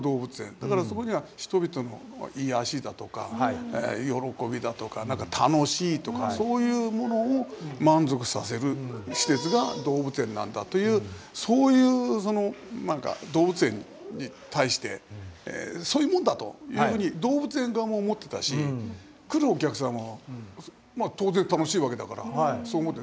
だからそこには人々の癒やしだとか喜びだとか何か楽しいとかそういうものを満足させる施設が動物園なんだというそういう何か動物園に対してそういうもんだというふうに動物園側も思ってたし来るお客さんも当然楽しいわけだからそう思って。